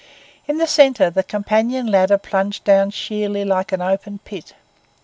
In the centre the companion ladder plunged down sheerly like an open pit.